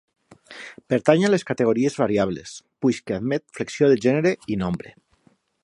Pertany a les categories variables, puix que admet flexió de gènere i nombre.